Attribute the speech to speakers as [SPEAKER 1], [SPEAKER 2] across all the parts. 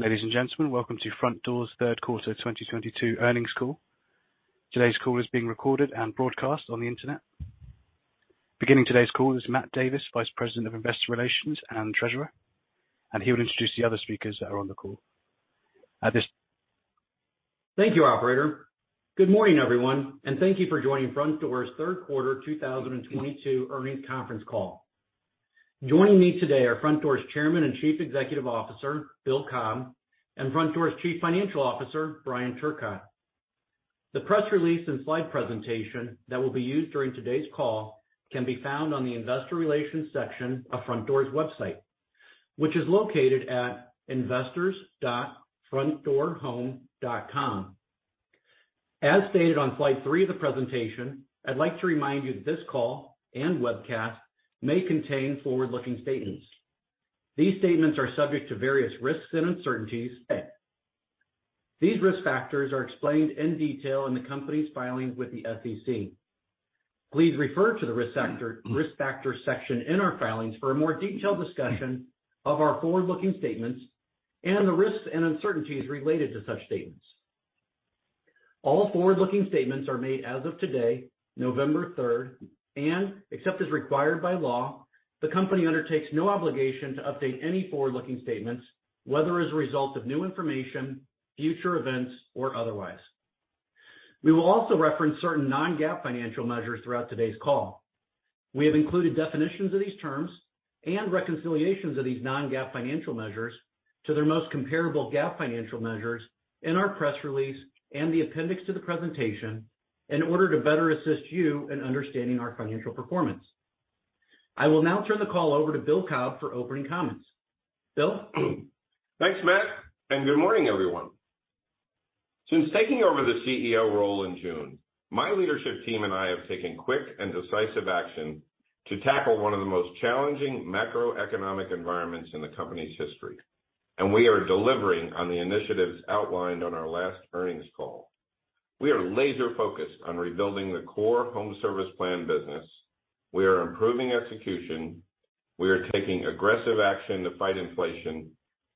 [SPEAKER 1] Ladies and gentlemen, welcome to Frontdoor's Third Quarter 2022 Earnings Call. Today's call is being recorded and broadcast on the internet. Beginning today's call is Matt Davis, Vice President of Investor Relations and Treasurer, and he will introduce the other speakers that are on the call.
[SPEAKER 2] Thank you, operator. Good morning, everyone, and thank you for joining Frontdoor's third quarter 2022 earnings conference call. Joining me today are Frontdoor's Chairman and Chief Executive Officer, Bill Cobb, and Frontdoor's Chief Financial Officer, Brian Turcotte. The press release and slide presentation that will be used during today's call can be found on the investor relations section of Frontdoor's website, which is located at investors.frontdoorhome.com. As stated on slide three of the presentation, I'd like to remind you that this call and webcast may contain forward-looking statements. These statements are subject to various risks and uncertainties. These risk factors are explained in detail in the company's filings with the SEC. Please refer to the risk factor section in our filings for a more detailed discussion of our forward-looking statements and the risks and uncertainties related to such statements. All forward-looking statements are made as of today, November third, and except as required by law, the company undertakes no obligation to update any forward-looking statements, whether as a result of new information, future events, or otherwise. We will also reference certain non-GAAP financial measures throughout today's call. We have included definitions of these terms and reconciliations of these non-GAAP financial measures to their most comparable GAAP financial measures in our press release and the appendix to the presentation in order to better assist you in understanding our financial performance. I will now turn the call over to Bill Cobb for opening comments. Bill?
[SPEAKER 3] Thanks, Matt, and good morning, everyone. Since taking over the CEO role in June, my leadership team and I have taken quick and decisive action to tackle one of the most challenging macroeconomic environments in the company's history, and we are delivering on the initiatives outlined on our last earnings call. We are laser-focused on rebuilding the core home service plan business. We are improving execution. We are taking aggressive action to fight inflation,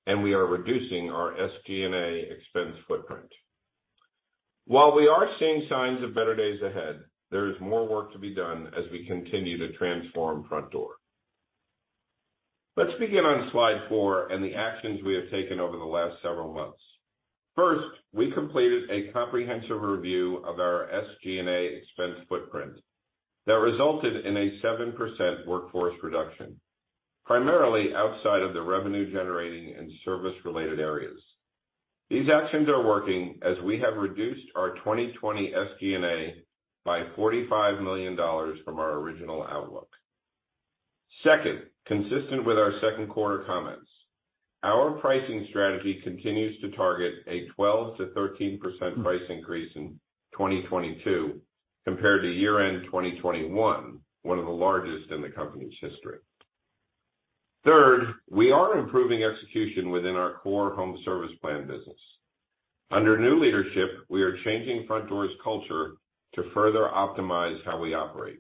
[SPEAKER 3] and we are reducing our SG&A expense footprint. While we are seeing signs of better days ahead, there is more work to be done as we continue to transform Frontdoor. Let's begin on slide four and the actions we have taken over the last several months. First, we completed a comprehensive review of our SG&A expense footprint that resulted in a 7% workforce reduction, primarily outside of the revenue-generating and service-related areas. These actions are working as we have reduced our 2020 SG&A by $45 million from our original outlook. Second, consistent with our second quarter comments, our pricing strategy continues to target a 12%-13% price increase in 2022 compared to year-end 2021, one of the largest in the company's history. Third, we are improving execution within our core home service plan business. Under new leadership, we are changing Frontdoor's culture to further optimize how we operate.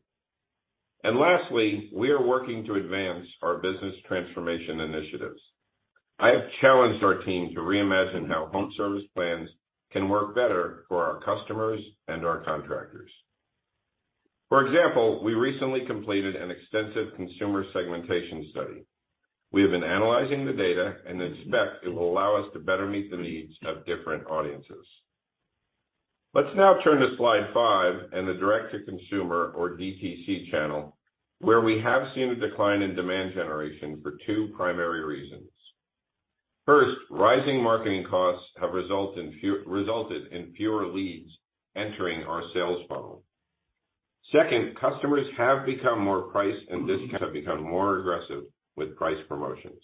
[SPEAKER 3] Lastly, we are working to advance our business transformation initiatives. I have challenged our team to reimagine how home service plans can work better for our customers and our contractors. For example, we recently completed an extensive consumer segmentation study. We have been analyzing the data and expect it will allow us to better meet the needs of different audiences. Let's now turn to slide five and the direct-to-consumer or DTC channel, where we have seen a decline in demand generation for two primary reasons. First, rising marketing costs have resulted in fewer leads entering our sales funnel. Second, customers have become more price-sensitive, and discounts have become more aggressive with price promotions.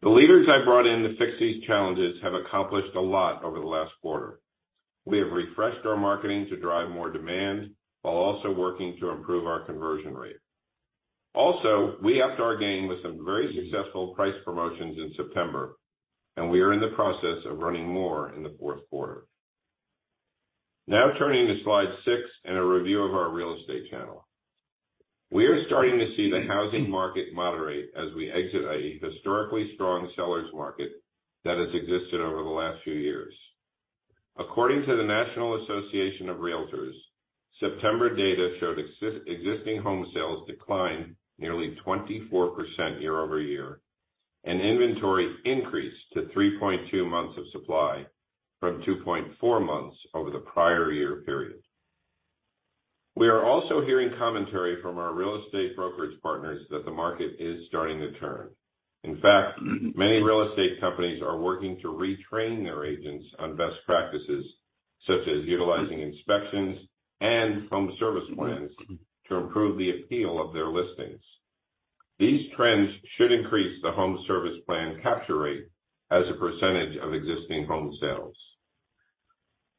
[SPEAKER 3] The leaders I brought in to fix these challenges have accomplished a lot over the last quarter. We have refreshed our marketing to drive more demand while also working to improve our conversion rate. Also, we upped our game with some very successful price promotions in September, and we are in the process of running more in the fourth quarter. Now turning to slide six and a review of our real estate channel. We are starting to see the housing market moderate as we exit a historically strong seller's market that has existed over the last few years. According to the National Association of Realtors, September data showed existing home sales declined nearly 24% year-over-year, and inventory increased to 3.2 months of supply from 2.4 months over the prior year period. We are also hearing commentary from our real estate brokerage partners that the market is starting to turn. In fact, many real estate companies are working to retrain their agents on best practices, such as utilizing inspections and home service plans to improve the appeal of their listings. These trends should increase the home service plan capture rate as a percentage of existing home sales.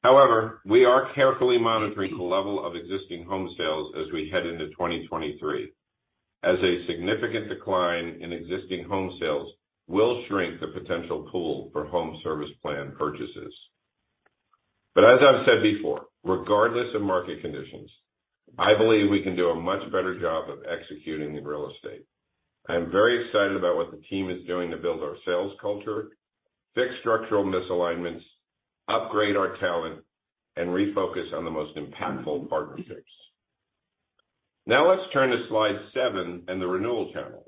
[SPEAKER 3] However, we are carefully monitoring the level of existing home sales as we head into 2023, as a significant decline in existing home sales will shrink the potential pool for home service plan purchases. As I've said before, regardless of market conditions, I believe we can do a much better job of executing in real estate. I am very excited about what the team is doing to build our sales culture, fix structural misalignments, upgrade our talent, and refocus on the most impactful partnerships. Now let's turn to slide seven and the renewal channel.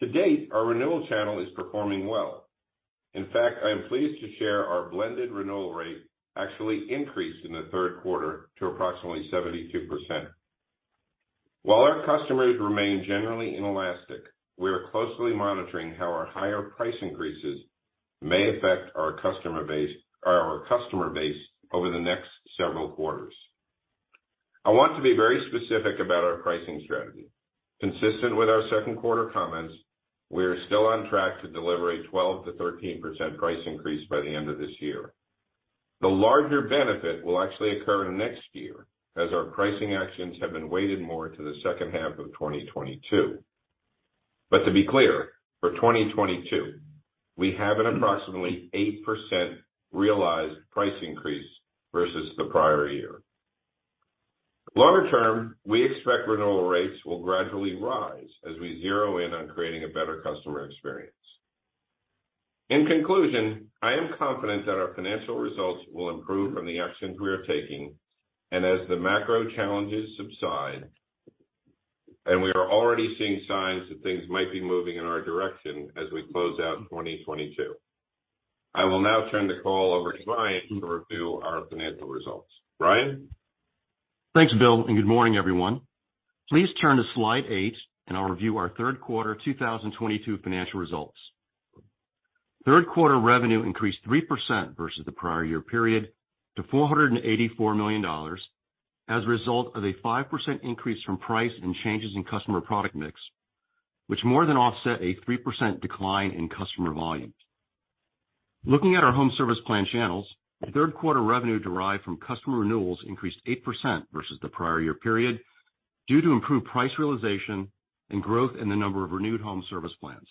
[SPEAKER 3] To date, our renewal channel is performing well. In fact, I am pleased to share our blended renewal rate actually increased in the third quarter to approximately 72%. While our customers remain generally inelastic, we are closely monitoring how our higher price increases may affect our customer base over the next several quarters. I want to be very specific about our pricing strategy. Consistent with our second quarter comments, we are still on track to deliver a 12%-13% price increase by the end of this year. The larger benefit will actually occur next year as our pricing actions have been weighted more to the second half of 2022. To be clear, for 2022, we have an approximately 8% realized price increase versus the prior year. Longer term, we expect renewal rates will gradually rise as we zero in on creating a better customer experience. In conclusion, I am confident that our financial results will improve from the actions we are taking and as the macro challenges subside, and we are already seeing signs that things might be moving in our direction as we close out 2022. I will now turn the call over to Brian to review our financial results. Brian?
[SPEAKER 4] Thanks, Bill, and good morning, everyone. Please turn to slide eight and I'll review our third quarter 2022 financial results. Third quarter revenue increased 3% versus the prior year period to $484 million as a result of a 5% increase from price and changes in customer product mix, which more than offset a 3% decline in customer volumes. Looking at our home service plan channels, third quarter revenue derived from customer renewals increased 8% versus the prior year period due to improved price realization and growth in the number of renewed home service plans.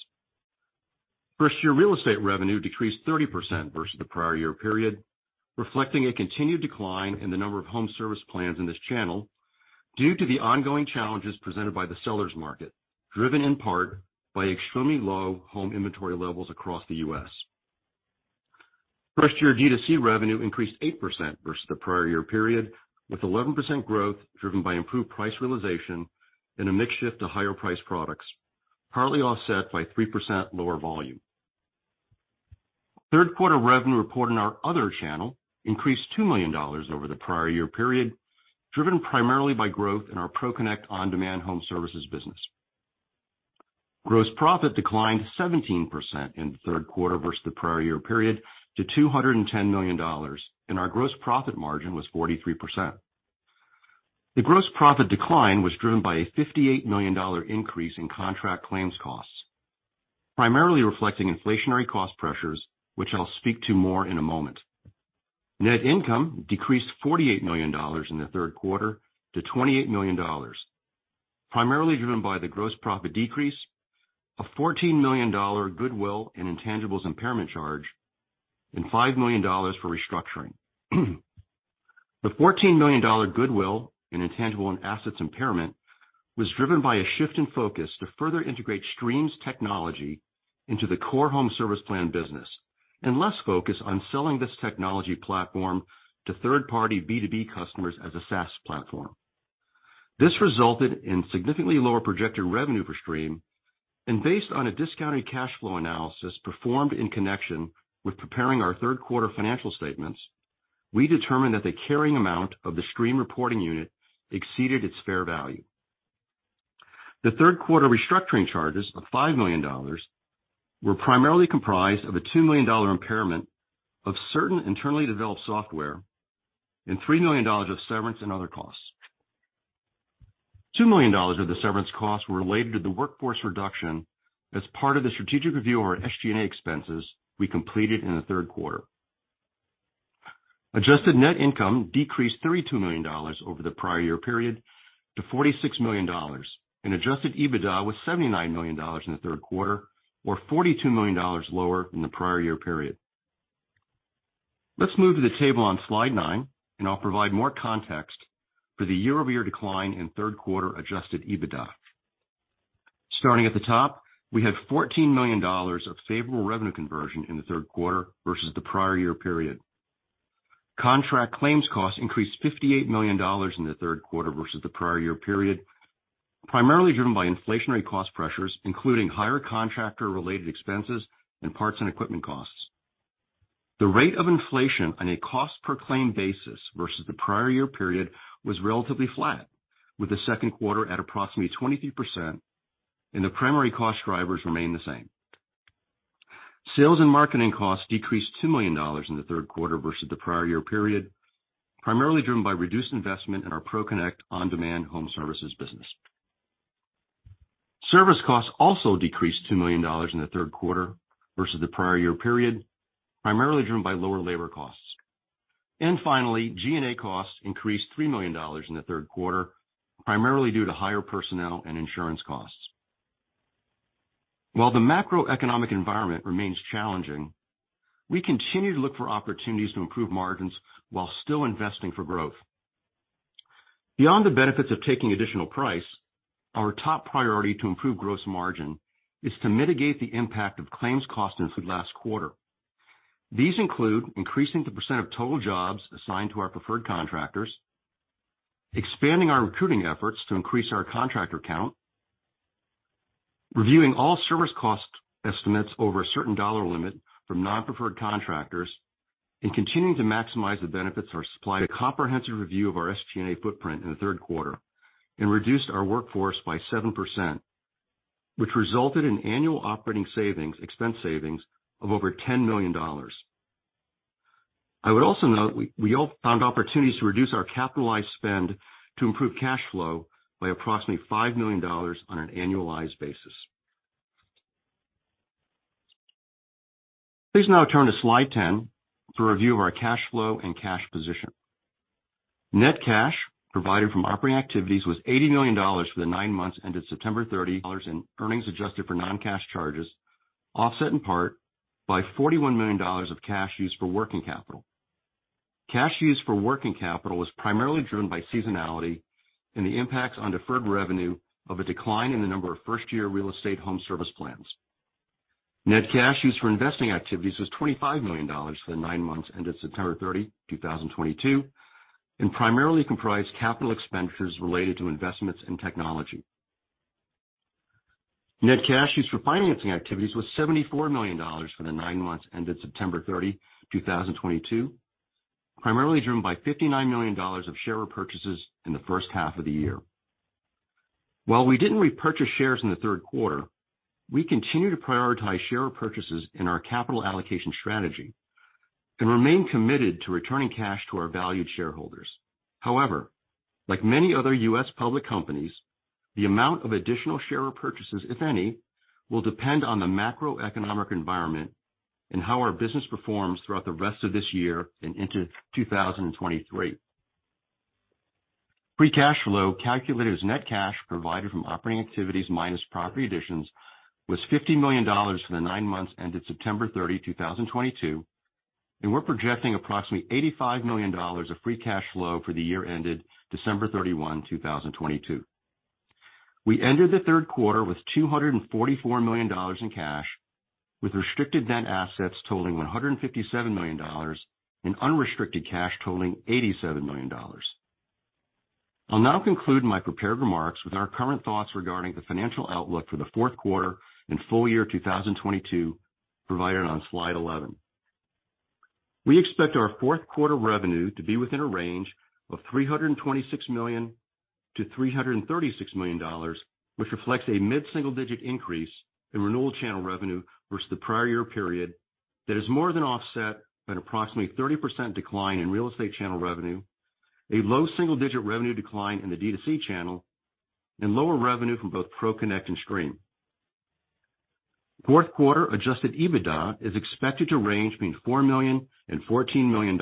[SPEAKER 4] First Year Real Estate revenue decreased 30% versus the prior year period, reflecting a continued decline in the number of home service plans in this channel due to the ongoing challenges presented by the sellers' market, driven in part by extremely low home inventory levels across the U.S. First Year D2C revenue increased 8% versus the prior year period, with 11% growth driven by improved price realization and a mix shift to higher priced products, partly offset by 3% lower volume. Third quarter revenue reported in our other channel increased $2 million over the prior year period, driven primarily by growth in our ProConnect on-demand home services business. Gross profit declined 17% in the third quarter versus the prior year period to $210 million, and our gross profit margin was 43%. The gross profit decline was driven by a $58 million increase in contract claims costs, primarily reflecting inflationary cost pressures, which I'll speak to more in a moment. Net income decreased $48 million in the third quarter to $28 million, primarily driven by the gross profit decrease of $14 million goodwill and intangibles impairment charge and $5 million for restructuring. The $14 million goodwill and intangible assets impairment was driven by a shift in focus to further integrate Streem's technology into the core home service plan business, and less focus on selling this technology platform to third-party B2B customers as a SaaS platform. This resulted in significantly lower projected revenue for Streem, and based on a discounted cash flow analysis performed in connection with preparing our third quarter financial statements, we determined that the carrying amount of the Streem reporting unit exceeded its fair value. The third quarter restructuring charges of $5 million were primarily comprised of a $2 million impairment of certain internally developed software and $3 million of severance and other costs. $2 million of the severance costs were related to the workforce reduction as part of the strategic review of our SG&A expenses we completed in the third quarter. Adjusted net income decreased $32 million over the prior year period to $46 million, and adjusted EBITDA was $79 million in the third quarter, or $42 million lower than the prior year period. Let's move to the table on slide nine, and I'll provide more context for the year-over-year decline in third quarter adjusted EBITDA. Starting at the top, we have $14 million of favorable revenue conversion in the third quarter versus the prior year period. Contract claims costs increased $58 million in the third quarter versus the prior year period, primarily driven by inflationary cost pressures, including higher contractor-related expenses and parts and equipment costs. The rate of inflation on a cost per claim basis versus the prior year period was relatively flat, with the second quarter at approximately 23%, and the primary cost drivers remain the same. Sales and marketing costs decreased $2 million in the third quarter versus the prior year period, primarily driven by reduced investment in our ProConnect on-demand home services business. Service costs also decreased $2 million in the third quarter versus the prior year period, primarily driven by lower labor costs. Finally, G&A costs increased $3 million in the third quarter, primarily due to higher personnel and insurance costs. While the macroeconomic environment remains challenging, we continue to look for opportunities to improve margins while still investing for growth. Beyond the benefits of taking additional price, our top priority to improve gross margin is to mitigate the impact of claims cost since last quarter. These include increasing the percent of total jobs assigned to our preferred contractors, expanding our recruiting efforts to increase our contractor count, reviewing all service cost estimates over a certain dollar limit from non-preferred contractors, and continuing to maximize the benefits of our supply, a comprehensive review of our SG&A footprint in the third quarter, and reduced our workforce by 7%, which resulted in annual operating savings, expense savings of over $10 million. I would also note we all found opportunities to reduce our capitalized spend to improve cash flow by approximately $5 million on an annualized basis. Please now turn to slide 10 for a view of our cash flow and cash position. Net cash provided from operating activities was $80 million for the nine months ended September 30. Dollars in earnings adjusted for non-cash charges, offset in part by $41 million of cash used for working capital. Cash used for working capital was primarily driven by seasonality and the impacts on deferred revenue of a decline in the number of first-year real estate home service plans. Net cash used for investing activities was $25 million for the nine months ended September 30, 2022, and primarily comprised capital expenditures related to investments in technology. Net cash used for financing activities was $74 million for the nine months ended September 30, 2022, primarily driven by $59 million of share repurchases in the first half of the year. While we didn't repurchase shares in the third quarter, we continue to prioritize share repurchases in our capital allocation strategy and remain committed to returning cash to our valued shareholders. However, like many other U.S. public companies, the amount of additional share repurchases, if any, will depend on the macroeconomic environment and how our business performs throughout the rest of this year and into 2023. Free cash flow, calculated as net cash provided from operating activities minus property additions, was $50 million for the nine months ended September 30, 2022, and we're projecting approximately $85 million of free cash flow for the year ended December 31, 2022. We ended the third quarter with $244 million in cash, with restricted net assets totaling $157 million and unrestricted cash totaling $87 million. I'll now conclude my prepared remarks with our current thoughts regarding the financial outlook for the fourth quarter and full year 2022 provided on slide 11. We expect our fourth quarter revenue to be within a range of $326 million-$336 million, which reflects a mid-single-digit increase in renewal channel revenue versus the prior year period that is more than offset by an approximately 30% decline in real estate channel revenue, a low single-digit revenue decline in the D2C channel, and lower revenue from both ProConnect and Streem. Fourth quarter adjusted EBITDA is expected to range between $4 million-$14 million,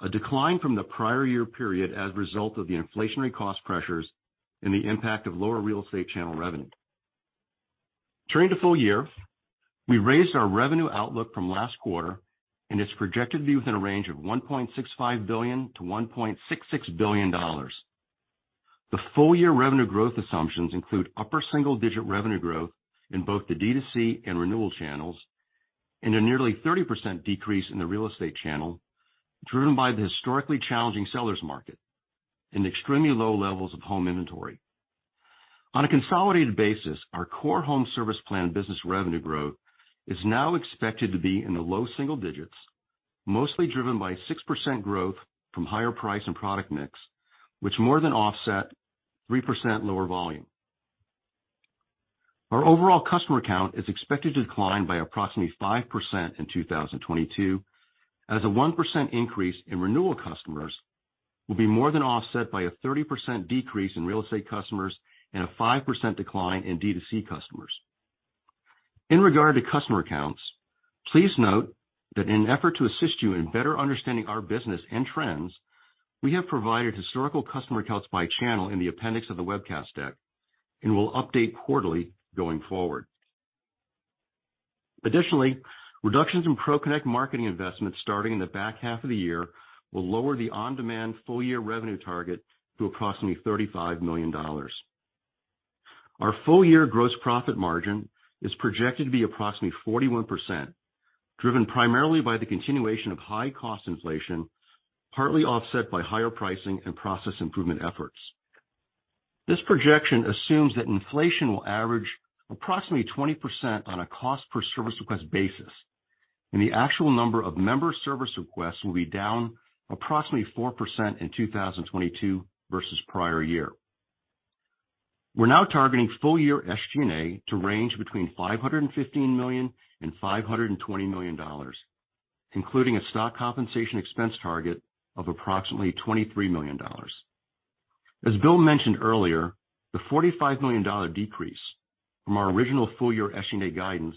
[SPEAKER 4] a decline from the prior year period as a result of the inflationary cost pressures and the impact of lower real estate channel revenue. Turning to full year, we raised our revenue outlook from last quarter, and it's projected to be within a range of $1.65 billion-$1.66 billion. The full-year revenue growth assumptions include upper single-digit revenue growth in both the D2C and renewal channels, and a nearly 30% decrease in the real estate channel, driven by the historically challenging seller's market and extremely low levels of home inventory. On a consolidated basis, our core home service plan business revenue growth is now expected to be in the low single digits, mostly driven by 6% growth from higher price and product mix, which more than offset 3% lower volume. Our overall customer count is expected to decline by approximately 5% in 2022, as a 1% increase in renewal customers will be more than offset by a 30% decrease in real estate customers and a 5% decline in D2C customers. In regard to customer counts, please note that in an effort to assist you in better understanding our business and trends, we have provided historical customer counts by channel in the appendix of the webcast deck, and we'll update quarterly going forward. Additionally, reductions in ProConnect marketing investments starting in the back half of the year will lower the on-demand full-year revenue target to approximately $35 million. Our full-year gross profit margin is projected to be approximately 41%, driven primarily by the continuation of high cost inflation, partly offset by higher pricing and process improvement efforts. This projection assumes that inflation will average approximately 20% on a cost per service request basis, and the actual number of member service requests will be down approximately 4% in 2022 versus prior year. We're now targeting full-year SG&A to range between $515 million and $520 million, including a stock compensation expense target of approximately $23 million. As Bill mentioned earlier, the $45 million decrease from our original full-year SG&A guidance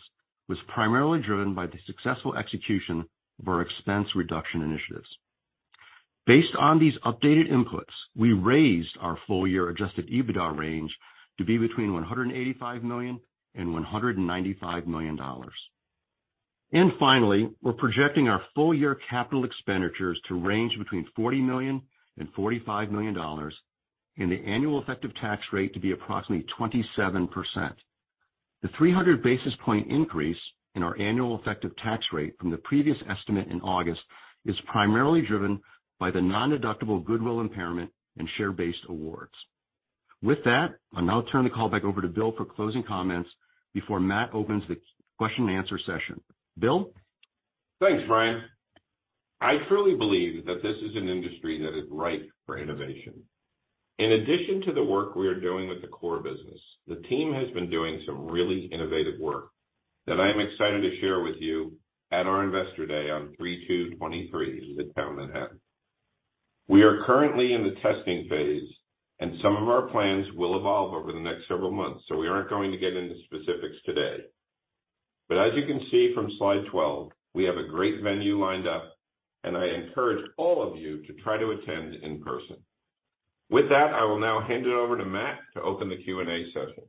[SPEAKER 4] was primarily driven by the successful execution of our expense reduction initiatives. Based on these updated inputs, we raised our full-year adjusted EBITDA range to be between $185 million and $195 million. Finally, we're projecting our full-year capital expenditures to range between $40 million and $45 million, and the annual effective tax rate to be approximately 27%. The 300 basis point increase in our annual effective tax rate from the previous estimate in August is primarily driven by the non-deductible goodwill impairment and share-based awards. With that, I'll now turn the call back over to Bill for closing comments before Matt opens the question and answer session. Bill?
[SPEAKER 3] Thanks, Brian. I truly believe that this is an industry that is ripe for innovation. In addition to the work we are doing with the core business, the team has been doing some really innovative work that I am excited to share with you at our Investor Day on 3/2/2023 in Midtown Manhattan. We are currently in the testing phase, and some of our plans will evolve over the next several months, so we aren't going to get into specifics today. But as you can see from slide 12, we have a great venue lined up, and I encourage all of you to try to attend in person. With that, I will now hand it over to Matt to open the Q&A session.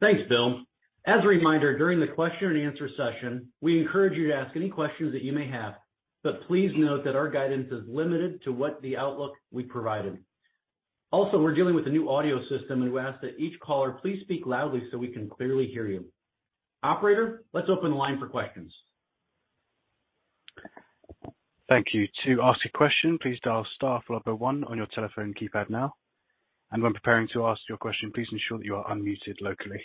[SPEAKER 2] Thanks, Bill. As a reminder, during the question and answer session, we encourage you to ask any questions that you may have, but please note that our guidance is limited to what the outlook we provided. Also, we're dealing with a new audio system, and we ask that each caller please speak loudly so we can clearly hear you. Operator, let's open the line for questions.
[SPEAKER 1] Thank you. To ask a question, please dial star followed by one on your telephone keypad now. When preparing to ask your question, please ensure that you are unmuted locally.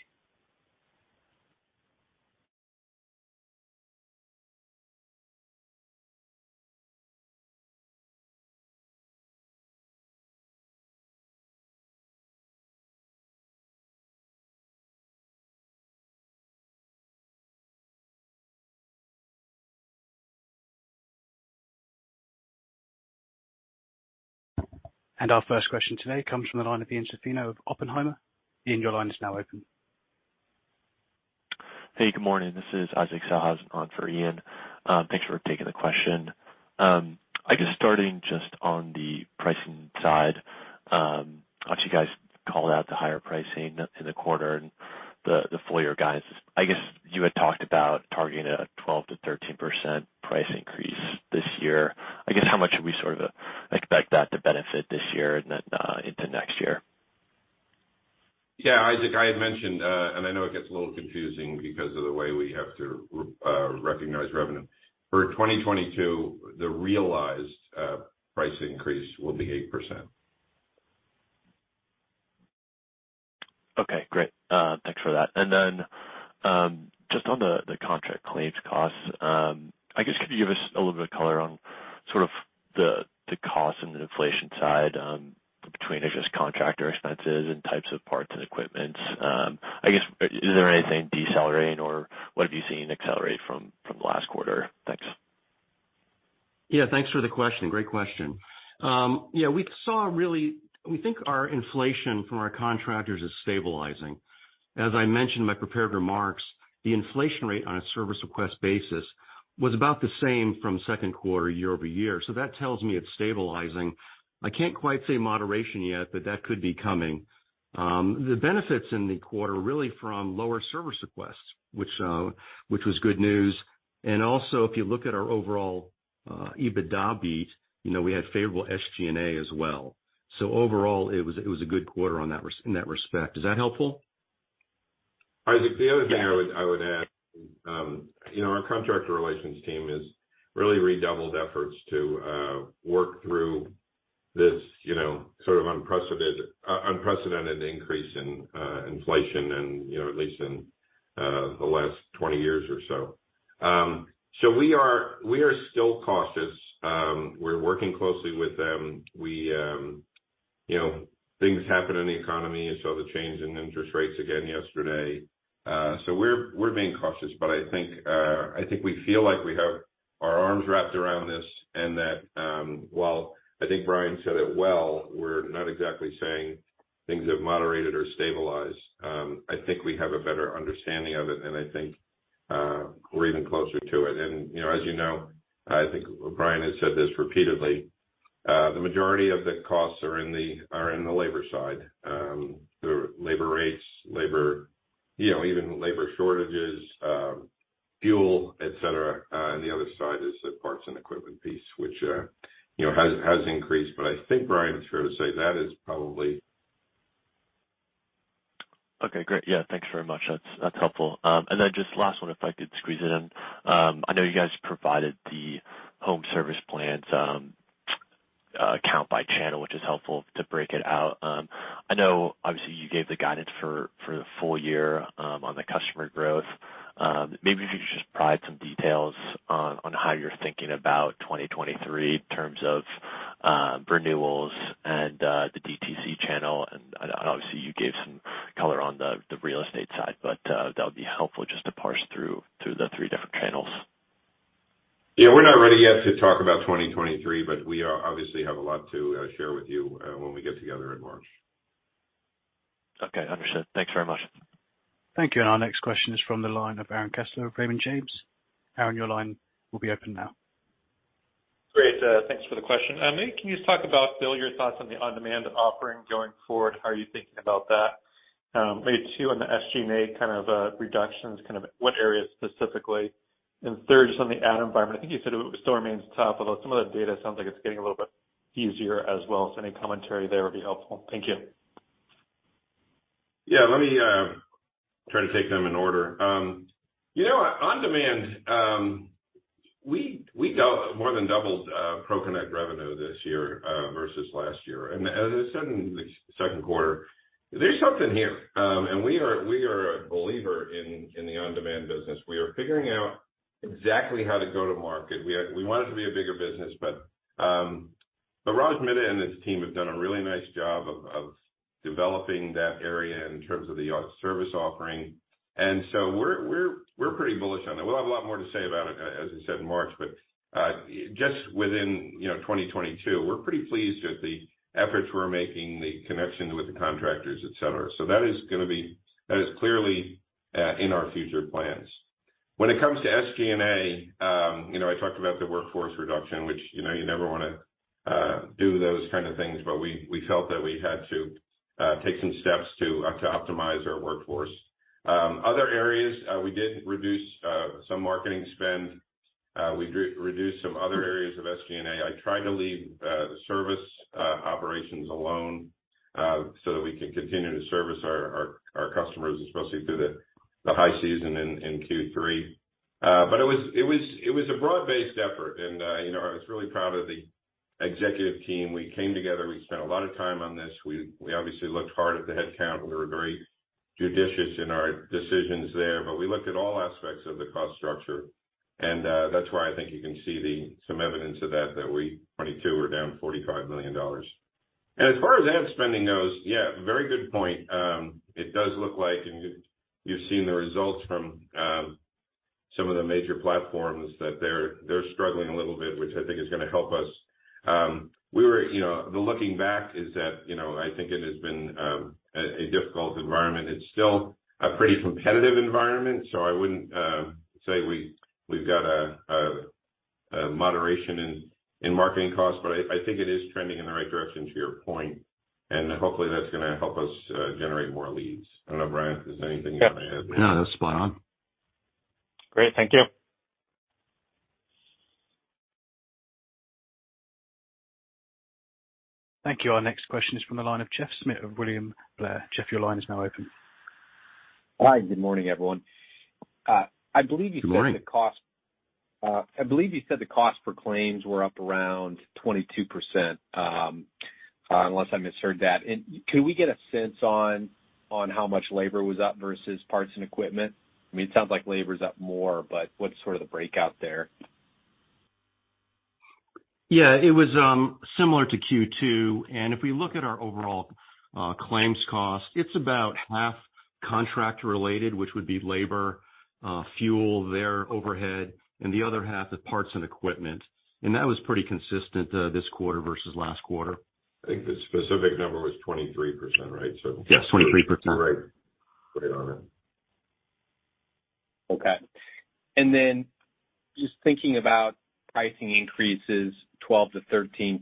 [SPEAKER 1] Our first question today comes from the line of Ian Zaffino of Oppenheimer. Ian, your line is now open.
[SPEAKER 5] Hey, good morning. This is Isaac Sellhausen on for Ian. Thanks for taking the question. I guess starting just on the pricing side, obviously you guys called out the higher pricing in the quarter and the full year guidance. I guess you had talked about targeting a 12%-13% price increase this year. I guess how much should we sort of expect that to benefit this year and then into next year?
[SPEAKER 3] Yeah. Isaac, I had mentioned, and I know it gets a little confusing because of the way we have to recognize revenue. For 2022, the realized price increase will be 8%.
[SPEAKER 5] Okay, great. Thanks for that. Just on the contract claims costs, I guess could you give us a little bit of color on sort of the cost and the inflation side, between contractor expenses and types of parts and equipment? I guess is there anything decelerating or what have you seen accelerate from last quarter? Thanks.
[SPEAKER 4] Yeah, thanks for the question. Great question. We think our inflation from our contractors is stabilizing. As I mentioned in my prepared remarks, the inflation rate on a service request basis was about the same from second quarter year over year. That tells me it's stabilizing. I can't quite say moderation yet, but that could be coming. The benefits in the quarter are really from lower service requests, which was good news. Also, if you look at our overall EBITDA beat, you know, we had favorable SG&A as well. Overall, it was a good quarter in that respect. Is that helpful?
[SPEAKER 3] Isaac, the other thing I would add, you know, our contractor relations team has really redoubled efforts to work through this, you know, sort of unprecedented increase in inflation and, you know, at least in the last 20 years or so. We are still cautious. We're working closely with them. You know, things happen in the economy. You saw the change in interest rates again yesterday. We're being cautious, but I think we feel like we have our arms wrapped around this and that, while I think Brian said it well, we're not exactly saying things have moderated or stabilized. I think we have a better understanding of it, and I think we're even closer to it. You know, as you know, I think Brian has said this repeatedly, the majority of the costs are in the labor side, the labor rates, labor, you know, even labor shortages, fuel, et cetera. The other side is the parts and equipment piece, which, you know, has increased. I think Brian is fair to say that is probably.
[SPEAKER 5] Okay, great. Yeah, thanks very much. That's helpful. Then just last one, if I could squeeze it in. I know you guys provided the home service plans count by channel, which is helpful to break it out. I know obviously you gave the guidance for the full year on the customer growth. Maybe if you could just provide some details on how you're thinking about 2023 in terms of renewals and the DTC channel. Obviously you gave some color on the real estate side, but that would be helpful just to parse through the three different channels.
[SPEAKER 3] Yeah, we're not ready yet to talk about 2023, but we obviously have a lot to share with you when we get together in March.
[SPEAKER 5] Okay, understood. Thanks very much.
[SPEAKER 1] Thank you. Our next question is from the line of Aaron Kessler of Raymond James. Aaron, your line will be open now.
[SPEAKER 6] Great, thanks for the question. Maybe can you talk about, Bill, your thoughts on the on-demand offering going forward? How are you thinking about that? Maybe two on the SG&A kind of reductions, kind of what areas specifically? And third, just on the ad environment, I think you said it still remains tough, although some of the data sounds like it's getting a little bit easier as well. Any commentary there would be helpful. Thank you.
[SPEAKER 3] Yeah, let me try to take them in order. You know, on-demand, we more than doubled ProConnect revenue this year versus last year. As I said in the second quarter, there's something here. We are a believer in the on-demand business. We are figuring out exactly how to go to market. We want it to be a bigger business, but Raj Midha and his team have done a really nice job of developing that area in terms of the on-demand service offering. We're pretty bullish on it. We'll have a lot more to say about it, as I said in March, but just within, you know, 2022, we're pretty pleased with the efforts we're making, the connections with the contractors, et cetera. That is gonna be. That is clearly in our future plans. When it comes to SG&A, you know, I talked about the workforce reduction, which, you know, you never wanna do those kind of things, but we felt that we had to take some steps to optimize our workforce. Other areas, we did reduce some marketing spend. We reduced some other areas of SG&A. I try to leave the service operations alone so that we can continue to service our customers, especially through the high season in Q3. It was a broad-based effort. You know, I was really proud of the executive team. We came together. We spent a lot of time on this. We obviously looked hard at the headcount. We were very judicious in our decisions there. We looked at all aspects of the cost structure, and that's why I think you can see some evidence of that that we 2022 we're down $45 million. As far as ad spending goes, yeah, very good point. It does look like you've seen the results from some of the major platforms that they're struggling a little bit, which I think is gonna help us. You know, looking back is that, you know, I think it has been a difficult environment. It's still a pretty competitive environment, so I wouldn't say we've got a moderation in marketing costs, but I think it is trending in the right direction to your point, and hopefully that's gonna help us generate more leads. I don't know, Brian, if there's anything you wanna add there.
[SPEAKER 4] Yeah, no, that's spot on.
[SPEAKER 6] Great. Thank you.
[SPEAKER 1] Thank you. Our next question is from the line of Jeffrey Schmitt of William Blair. Jeff, your line is now open.
[SPEAKER 7] Hi, good morning, everyone. I believe you said.
[SPEAKER 4] Good morning.
[SPEAKER 7] I believe you said the cost per claims were up around 22%, unless I misheard that. Could we get a sense on how much labor was up versus parts and equipment? I mean, it sounds like labor is up more, but what's sort of the breakout there?
[SPEAKER 4] Yeah, it was similar to Q2. If we look at our overall claims cost, it's about half contract related, which would be labor, fuel, their overhead and the other half is parts and equipment. That was pretty consistent this quarter versus last quarter.
[SPEAKER 3] I think the specific number was 23%, right?
[SPEAKER 4] Yeah, 23%.
[SPEAKER 3] Right. Right on it.
[SPEAKER 7] Okay. Just thinking about pricing increases 12%-13%.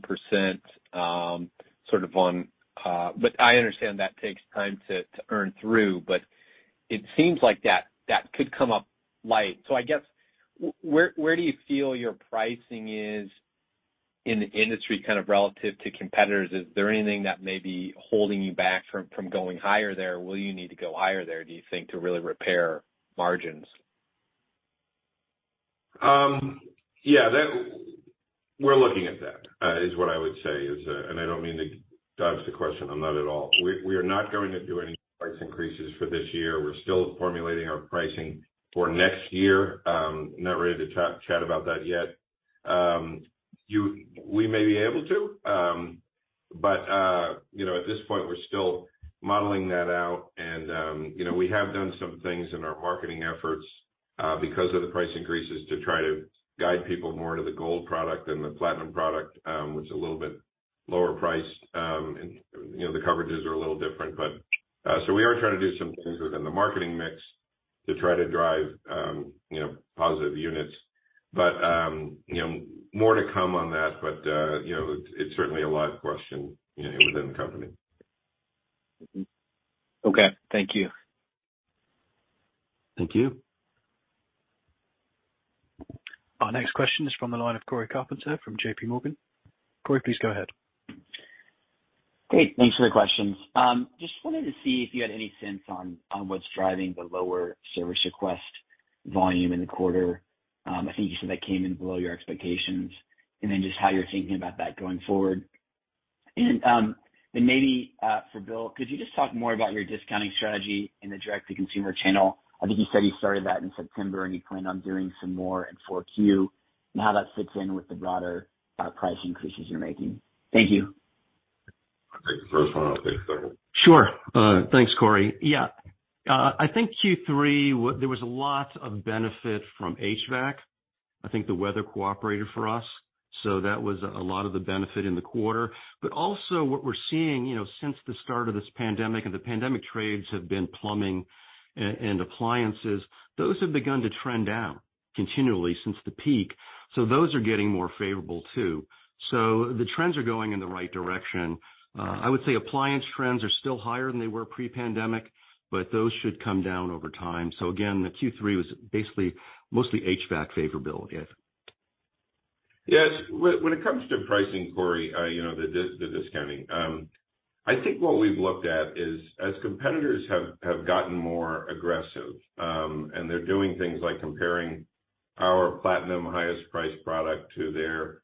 [SPEAKER 7] I understand that takes time to earn through, but it seems like that could come up light. I guess where do you feel your pricing is in the industry kind of relative to competitors? Is there anything that may be holding you back from going higher there? Will you need to go higher there, do you think, to really repair margins?
[SPEAKER 3] Yeah, we're looking at that, is what I would say. I don't mean to dodge the question. I'm not at all. We are not going to do any price increases for this year. We're still formulating our pricing for next year. Not ready to chat about that yet. We may be able to, but you know, at this point, we're still modeling that out and you know, we have done some things in our marketing efforts because of the price increases to try to guide people more to the ShieldGold product than the ShieldPlatinum product, which is a little bit lower priced. You know, the coverages are a little different. We are trying to do some things within the marketing mix to try to drive, you know, positive units. You know, more to come on that. You know, it's certainly a live question, you know, within the company.
[SPEAKER 7] Mm-hmm. Okay. Thank you.
[SPEAKER 4] Thank you.
[SPEAKER 1] Our next question is from the line of Cory Carpenter from JP Morgan. Cory, please go ahead.
[SPEAKER 8] Great. Thanks for the questions. Just wanted to see if you had any sense on what's driving the lower service request volume in the quarter. I think you said that came in below your expectations. Just how you're thinking about that going forward. Maybe for Bill, could you just talk more about your discounting strategy in the direct-to-consumer channel? I think you said you started that in September, and you plan on doing some more in 4Q, and how that fits in with the broader price increases you're making. Thank you.
[SPEAKER 3] I'll take the first one. I'll take several.
[SPEAKER 4] Sure. Thanks, Cory. Yeah. I think Q3, there was lots of benefit from HVAC. I think the weather cooperated for us, so that was a lot of the benefit in the quarter. But also what we're seeing, you know, since the start of this pandemic, and the pandemic trades have been plumbing and appliances, those have begun to trend down continually since the peak. So those are getting more favorable too. So the trends are going in the right direction. I would say appliance trends are still higher than they were pre-pandemic, but those should come down over time. So again, the Q3 was basically mostly HVAC favorability.
[SPEAKER 3] Yes. When it comes to pricing, Cory, you know, the discounting, I think what we've looked at is as competitors have gotten more aggressive, and they're doing things like comparing our ShieldPlatinum highest priced product to their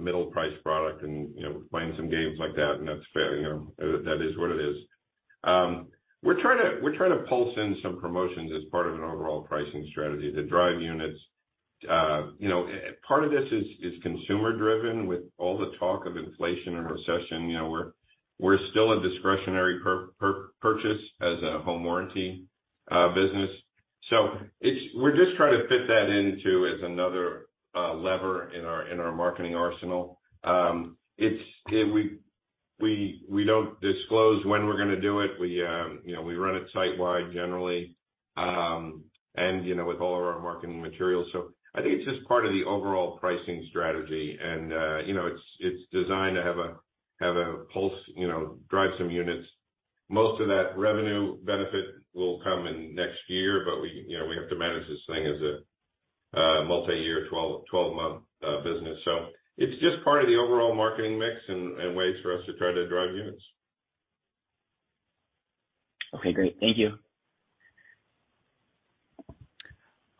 [SPEAKER 3] middle priced product and, you know, playing some games like that, and that's fair, you know, that is what it is. We're trying to pulse in some promotions as part of an overall pricing strategy to drive units. You know, part of this is consumer driven with all the talk of inflation and recession. You know, we're still a discretionary purchase as a home warranty business. So it's. We're just trying to fit that into as another lever in our marketing arsenal. It's. We don't disclose when we're gonna do it. We, you know, we run it site-wide generally, and, you know, with all of our marketing materials. I think it's just part of the overall pricing strategy. You know, it's designed to have a pulse, you know, drive some units. Most of that revenue benefit will come in next year, but we, you know, we have to manage this thing as a multi-year twelve-month business. It's just part of the overall marketing mix and ways for us to try to drive units.
[SPEAKER 8] Okay, great. Thank you.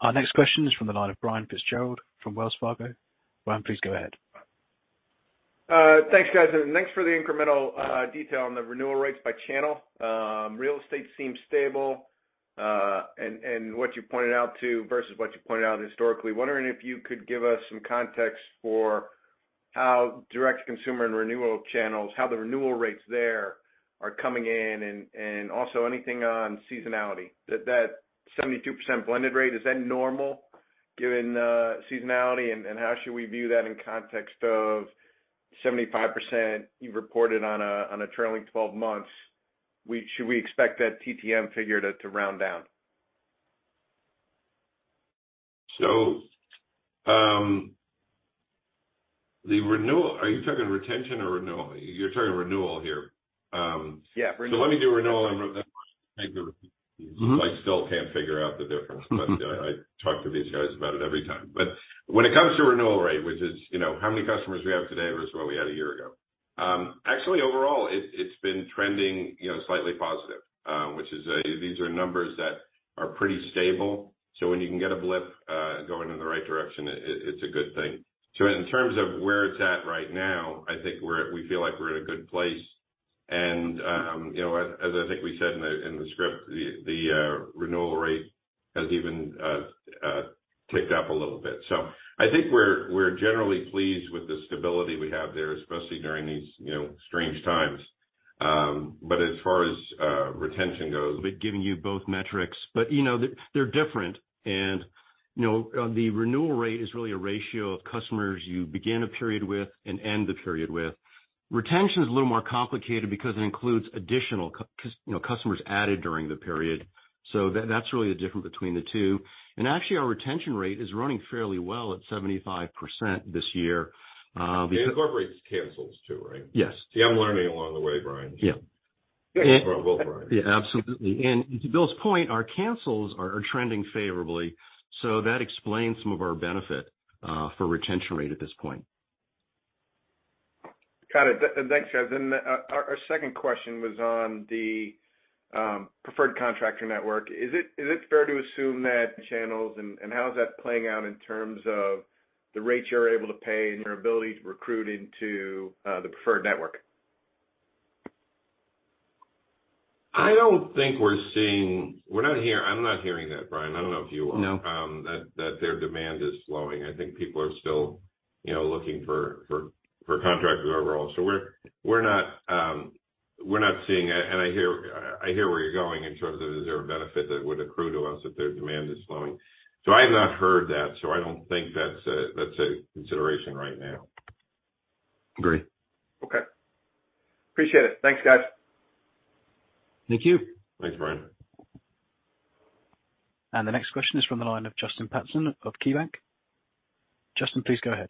[SPEAKER 1] Our next question is from the line of Brian Fitzgerald from Wells Fargo. Brian, please go ahead.
[SPEAKER 9] Thanks, guys. Thanks for the incremental detail on the renewal rates by channel. Real estate seems stable, and what you pointed out too versus what you pointed out historically. Wondering if you could give us some context for how direct consumer and renewal channels, how the renewal rates there are coming in. Also anything on seasonality. That 72% blended rate, is that normal given seasonality? And how should we view that in context of 75% you've reported on a trailing twelve months? Should we expect that TTM figure to round down?
[SPEAKER 3] Are you talking retention or renewal? You're talking renewal here.
[SPEAKER 9] Yeah. Renewal.
[SPEAKER 3] Let me do renewal and.
[SPEAKER 9] Mm-hmm.
[SPEAKER 3] I still can't figure out the difference. I talk to these guys about it every time. When it comes to renewal rate, which is, you know, how many customers we have today versus what we had a year ago, actually overall it's been trending, you know, slightly positive, which is a these are numbers that are pretty stable, so when you can get a blip going in the right direction, it's a good thing. In terms of where it's at right now, we feel like we're in a good place. You know, as I think we said in the script, the renewal rate has even ticked up a little bit. I think we're generally pleased with the stability we have there, especially during these, you know, strange times. As far as retention goes.
[SPEAKER 4] Giving you both metrics, but you know, they're different. You know, the renewal rate is really a ratio of customers you begin a period with and end the period with. Retention is a little more complicated because it includes additional you know, customers added during the period. That's really the difference between the two. Actually, our retention rate is running fairly well at 75% this year, because.
[SPEAKER 3] It incorporates cancels too, right?
[SPEAKER 4] Yes.
[SPEAKER 3] See, I'm learning along the way, Brian.
[SPEAKER 4] Yeah.
[SPEAKER 3] Well, Brian.
[SPEAKER 4] Yeah, absolutely. To Bill's point, our cancels are trending favorably, so that explains some of our benefit for retention rate at this point.
[SPEAKER 9] Got it. Thanks, guys. Our second question was on the preferred contractor network. Is it fair to assume that channels and how is that playing out in terms of the rates you're able to pay and your ability to recruit into the preferred network?
[SPEAKER 3] I don't think we're seeing. I'm not hearing that, Brian. I don't know if you are.
[SPEAKER 4] No.
[SPEAKER 3] Their demand is slowing. I think people are still, you know, looking for contractors overall. We're not seeing it. I hear where you're going in terms of is there a benefit that would accrue to us if their demand is slowing. I have not heard that, so I don't think that's a consideration right now.
[SPEAKER 4] Agree.
[SPEAKER 9] Okay. Appreciate it. Thanks, guys.
[SPEAKER 1] Thank you.
[SPEAKER 3] Thanks, Brian.
[SPEAKER 1] The next question is from the line of Justin Patterson of KeyBanc. Justin, please go ahead.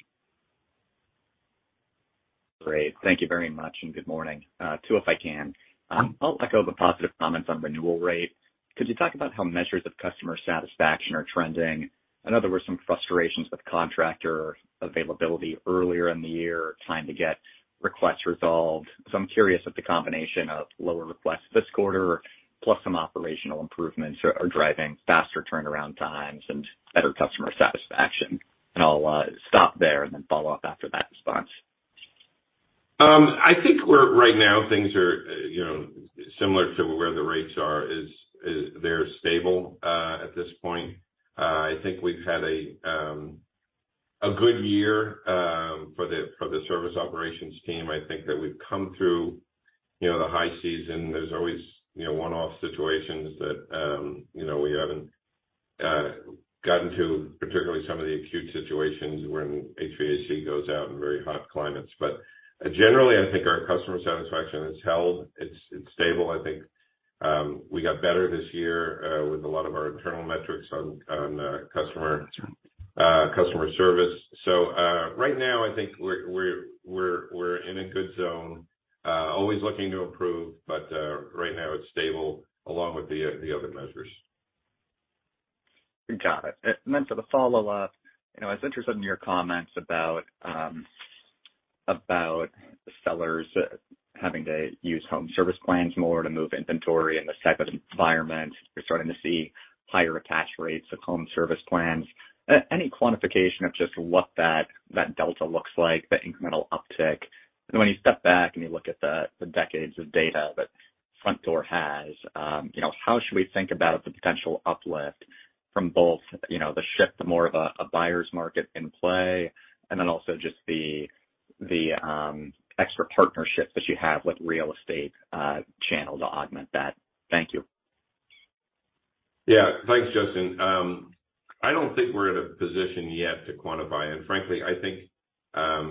[SPEAKER 10] Great. Thank you very much, and good morning. Two, if I can. I'll echo the positive comments on renewal rate. Could you talk about how measures of customer satisfaction are trending? I know there were some frustrations with contractor availability earlier in the year, time to get requests resolved. I'm curious if the combination of lower requests this quarter plus some operational improvements are driving faster turnaround times and better customer satisfaction. I'll stop there and then follow up after that response.
[SPEAKER 3] I think we're right now things are, you know, similar to where the rates are, they're stable at this point. I think we've had a good year for the service operations team. I think that we've come through, you know, the high season. There's always, you know, one-off situations that, you know, we haven't gotten to, particularly some of the acute situations when HVAC goes out in very hot climates. Generally, I think our customer satisfaction has held. It's stable. I think we got better this year with a lot of our internal metrics on customer service. Right now, I think we're in a good zone. Always looking to improve, but right now it's stable along with the other measures.
[SPEAKER 10] Got it. For the follow-up, you know, I was interested in your comments about the sellers having to use home service plans more to move inventory in this type of environment. You're starting to see higher attach rates of home service plans. Any quantification of just what that delta looks like, the incremental uptick? When you step back and you look at the decades of data that Frontdoor has, you know, how should we think about the potential uplift from both the shift to more of a buyer's market in play, and also just the extra partnerships that you have with real estate channel to augment that? Thank you.
[SPEAKER 3] Yeah. Thanks, Justin. I don't think we're in a position yet to quantify. Frankly, I think,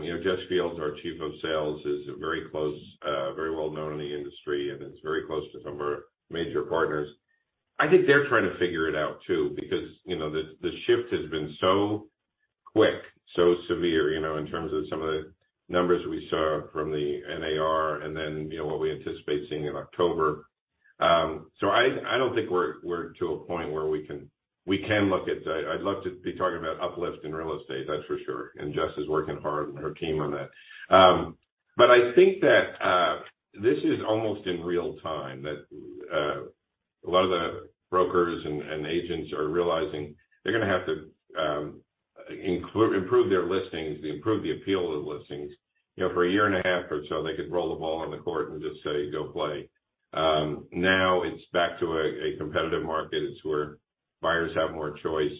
[SPEAKER 3] you know, Jessica Fields, our chief of sales, is a very close, very well known in the industry, and is very close to some of our major partners. I think they're trying to figure it out too, because, you know, the shift has been so quick, so severe, you know, in terms of some of the numbers we saw from the NAR and then, you know, what we anticipate seeing in October. I don't think we're to a point where we can. I'd love to be talking about uplift in real estate, that's for sure, and Jess is working hard and her team on that. I think that this is almost in real time that a lot of the brokers and agents are realizing they're gonna have to improve their listings, improve the appeal of the listings. You know, for a year and a half or so, they could roll the ball on the court and just say, "Go play." Now it's back to a competitive market. It's where buyers have more choice.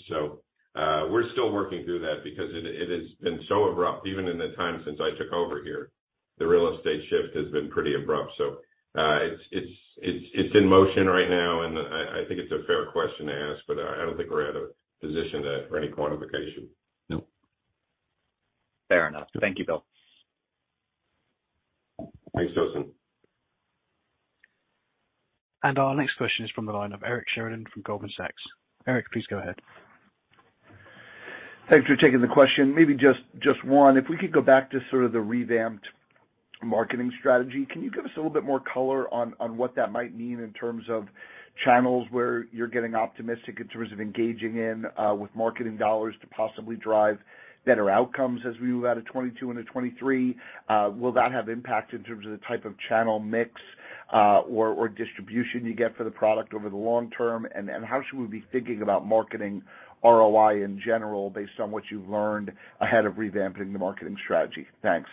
[SPEAKER 3] We're still working through that because it has been so abrupt, even in the time since I took over here, the real estate shift has been pretty abrupt. It's in motion right now, and I think it's a fair question to ask, but I don't think we're at a position to for any quantification.
[SPEAKER 10] No. Fair enough. Thank you, Bill.
[SPEAKER 3] Thanks, Justin.
[SPEAKER 1] Our next question is from the line of Eric Sheridan from Goldman Sachs. Eric, please go ahead.
[SPEAKER 11] Thanks for taking the question. Maybe just one. If we could go back to sort of the revamped marketing strategy, can you give us a little bit more color on what that might mean in terms of channels where you're getting optimistic in terms of engaging in with marketing dollars to possibly drive better outcomes as we move out of 2022 into 2023? Will that have impact in terms of the type of channel mix or distribution you get for the product over the long term? How should we be thinking about marketing ROI in general based on what you've learned ahead of revamping the marketing strategy? Thanks.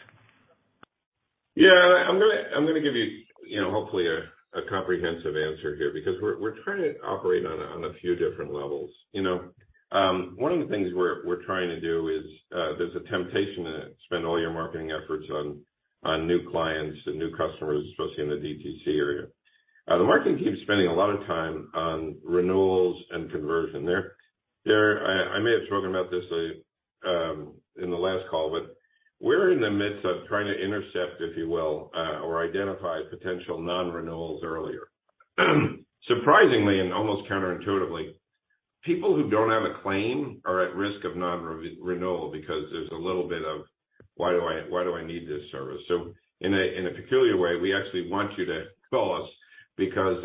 [SPEAKER 3] Yeah. I'm gonna give you know, hopefully a comprehensive answer here because we're trying to operate on a few different levels. You know, one of the things we're trying to do is there's a temptation to spend all your marketing efforts on new clients and new customers, especially in the DTC area. The marketing team's spending a lot of time on renewals and conversion. I may have spoken about this in the last call, but we're in the midst of trying to intercept, if you will, or identify potential non-renewals earlier. Surprisingly, and almost counterintuitively, people who don't have a claim are at risk of non-renewal because there's a little bit of, "Why do I need this service?" In a peculiar way, we actually want you to call us because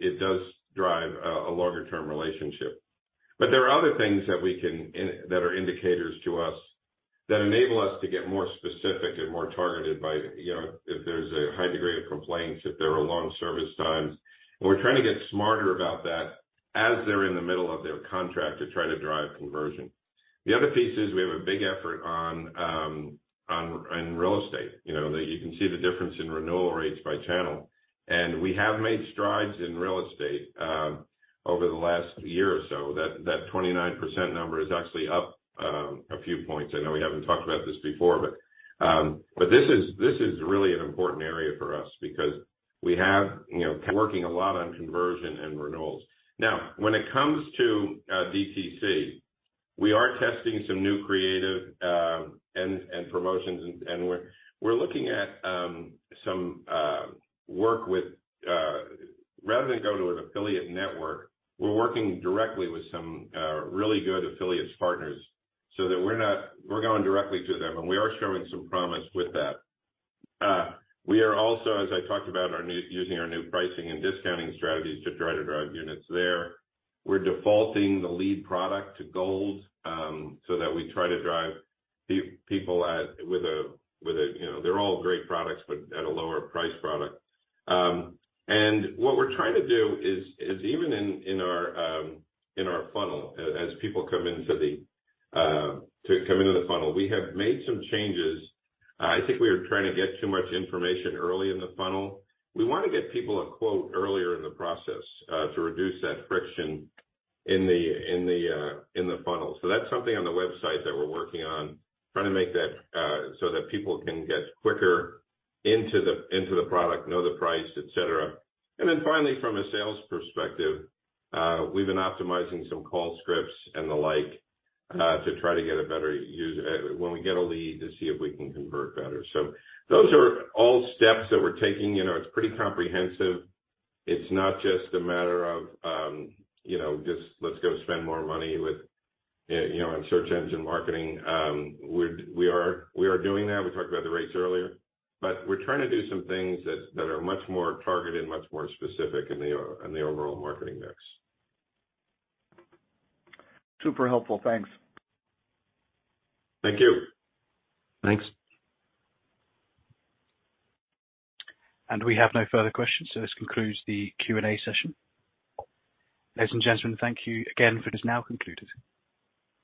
[SPEAKER 3] it does drive a longer term relationship. There are other things that are indicators to us that enable us to get more specific and more targeted by, you know, if there's a high degree of complaints, if there are long service times. We're trying to get smarter about that as they're in the middle of their contract to try to drive conversion. The other piece is we have a big effort in real estate. You know, that you can see the difference in renewal rates by channel. We have made strides in real estate over the last year or so. That twenty-nine percent number is actually up a few points. I know we haven't talked about this before, but this is really an important area for us because we have, you know, working a lot on conversion and renewals. Now, when it comes to DTC, we are testing some new creative and promotions and we're looking at some work with rather than go to an affiliate network, we're working directly with some really good affiliate partners so that we're going directly to them, and we are showing some promise with that. We are also, as I talked about, using our new pricing and discounting strategies to try to drive units there. We're defaulting the lead product to ShieldGold, so that we try to drive people to a lower price product. You know, they're all great products, but to a lower price product. What we're trying to do is even in our funnel as people come into the funnel, we have made some changes. I think we were trying to get too much information early in the funnel. We wanna get people a quote earlier in the process, to reduce that friction in the funnel. That's something on the website that we're working on, trying to make that so that people can get quicker into the product, know the price, et cetera. Finally, from a sales perspective, we've been optimizing some call scripts and the like to try to get a better when we get a lead to see if we can convert better. Those are all steps that we're taking. You know, it's pretty comprehensive. It's not just a matter of, you know, just let's go spend more money with, you know, on search engine marketing. We are doing that. We talked about the rates earlier. We're trying to do some things that are much more targeted, much more specific in the overall marketing mix.
[SPEAKER 11] Super helpful. Thanks.
[SPEAKER 3] Thank you.
[SPEAKER 11] Thanks.
[SPEAKER 1] We have no further questions, so this concludes the Q&A session. Ladies and gentlemen, thank you again. It is now concluded.